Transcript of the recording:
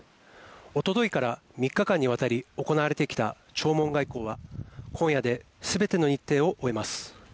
おとといから３日間にわたり行われてきた弔問外交は今夜ですべての日程を終えます。